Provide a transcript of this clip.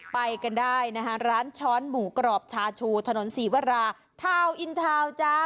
ไปกันได้นะคะร้านช้อนหมูกรอบชาชูถนนศรีวราทาวน์อินทาวน์จ้า